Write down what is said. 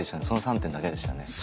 その３点だけでしたね。